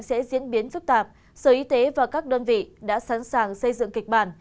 trong những ngày tiến biến phức tạp sở y tế và các đơn vị đã sẵn sàng xây dựng kịch bản